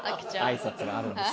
挨拶があるんです。